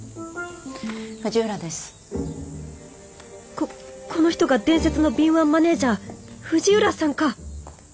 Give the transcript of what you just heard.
ここの人が伝説の敏腕マネージャー藤浦さんか！